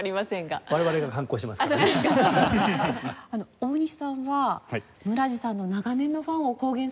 大西さんは村治さんの長年のファンを公言されていますが。